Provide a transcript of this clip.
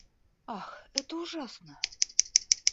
Ах, это ужасно!